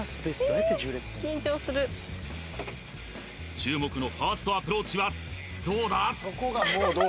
注目のファーストアプローチはどうだ？